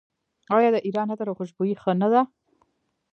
آیا د ایران عطر او خوشبویي ښه نه ده؟